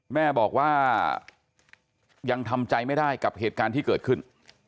แม่บอกว่ายังทำใจไม่ได้กับเหตุการณ์ที่เกิดขึ้น